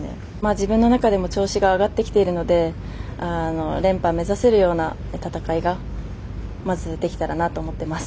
自分の中でも調子が上がってきているので連覇目指せるような戦いがまず、できたらなと思ってます。